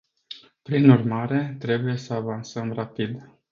Prin urmare, trebuie să avansăm rapid.